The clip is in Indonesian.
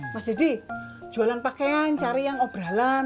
mas deddy jualan pakaian cari yang obralan